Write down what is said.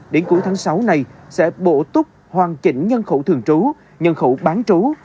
đến cuối tháng sáu này sẽ bổ túc hoàn chỉnh nhân khẩu thường trú nhân khẩu bán trú